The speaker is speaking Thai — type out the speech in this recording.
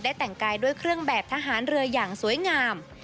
แต่งกายด้วยเครื่องแบบทหารเรืออย่างสวยงาม